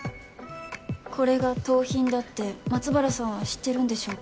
これが盗品だって松原さんは知ってるんでしょうか？